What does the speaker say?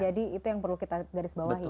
jadi itu yang perlu kita garis bawahi